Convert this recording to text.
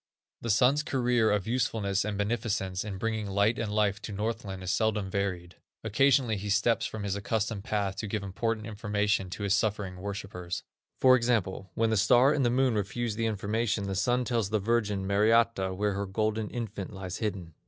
The Sun's career of usefulness and beneficence in bringing light and life to Northland is seldom varied. Occasionally he steps from his accustomed path to give important information to his suffering worshipers. For example, when the Star and the Moon refuse the information, the Sun tells the Virgin Mariatta, where her golden infant lies hidden.